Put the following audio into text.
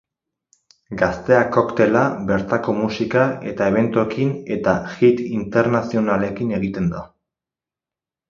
Gaztea koktela bertako musika eta ebentoekin eta hit internazionalekin egiten da.